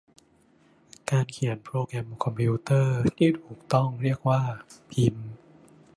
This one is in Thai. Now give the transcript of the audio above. การเขียนโปรแกรมคอมพิวเตอร์ ที่ถูกต้องเรียกว่าพิมพ์